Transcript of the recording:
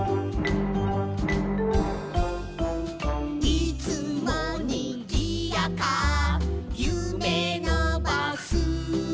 「いつもにぎやか夢のバス」